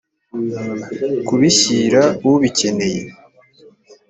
kubishyira ubikeneye